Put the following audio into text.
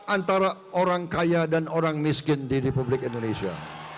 antara orang kaya dan orang miskin di republik indonesia